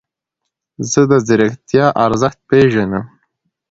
زه د ځیرکتیا ارزښت پیژنم.